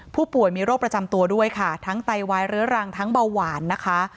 ผู้ป่วยมีโรคประจำตัวด้วยค่ะทั้งไตวายเรื้อรังทั้งเบาหวานนะคะ